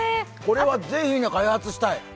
これはぜひ開発したい。